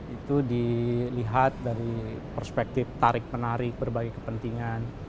itu dilihat dari perspektif tarik menarik berbagai kepentingan